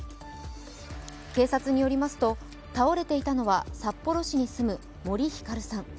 警察によりますと、倒れていたのは札幌市に住む森ひかるさん。